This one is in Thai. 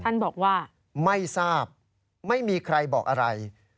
ท่านบอกว่าไม่ทราบไม่มีใครบอกอะไร